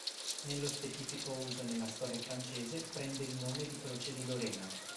Nello specifico uso nella storia francese prende il nome di croce di Lorena.